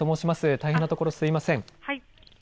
大変なところすみません。